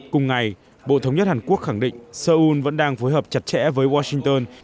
cùng ngày bộ thống nhất hàn quốc khẳng định seoul vẫn đang phối hợp chặt chẽ với washington